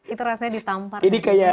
itu rasanya ditampar